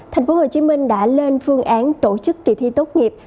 tp hcm đã lên phương án tổ chức kỳ thi tốt nghiệp